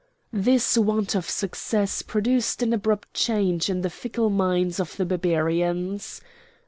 This want of success produced an abrupt change in the fickle minds of the Barbarians.